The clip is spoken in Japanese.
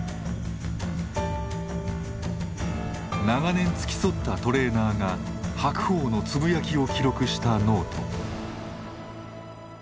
長年付き添ったトレーナーが白鵬のつぶやきを記録したノート。